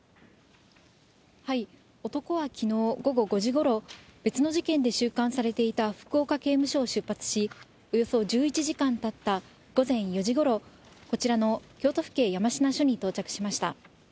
男はきのう午後５時ごろ、別の事件で収監されていた福岡刑務所を出発し、およそ１１時間たった午前４時ごろ、こちらの京都府警山科署に到着しました。